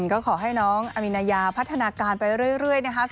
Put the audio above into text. ก็ขอให้น้องอามินายาพัฒนาการไปเรื่อยนะคะ